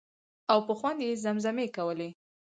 او په خوند یې زمزمې کولې.